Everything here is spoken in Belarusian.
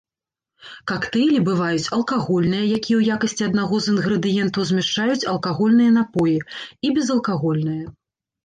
Кактэйлі бываюць алкагольныя, якія ў якасці аднаго з інгрэдыентаў змяшчаюць алкагольныя напоі, і безалкагольныя.